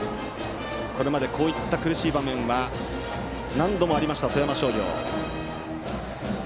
これまでこういった苦しい場面は何度もありました富山商業。